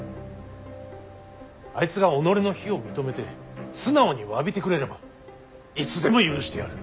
あいつが己の非を認めて素直にわびてくれればいつでも許してやる。